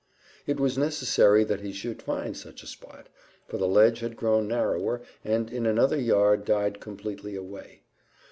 It was necessary that he should find such a spot, for the ledge had grown narrower and in another yard died completely away.